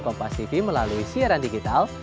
kompas tv melalui siaran digital